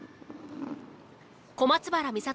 小松原美里